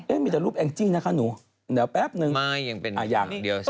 เอ๊ะมีแต่รูปแองจี้นะคะหนูเดี๋ยวแป๊บนึงไม่ยังเป็นภาพเดียวซิ